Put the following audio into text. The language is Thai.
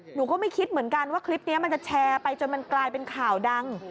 หนูก็ไม่คิดเหมือนกันว่าคลิปนี้มันจะแชร์ไปจนมันกลายเป็นข่าวดัง